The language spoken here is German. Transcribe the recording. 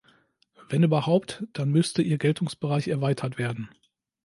Wenn überhaupt, dann müsste ihr Geltungsbereich erweitert werden!